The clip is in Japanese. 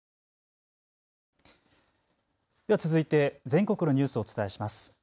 では続いて全国のニュースをお伝えします。